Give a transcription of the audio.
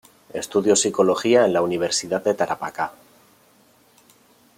Estudio psicología en la Universidad de Tarapacá.